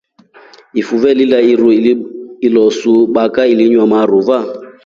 Ifuve lilya iru ilosuBaka ilinywa maruva.